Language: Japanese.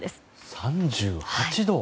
３８度。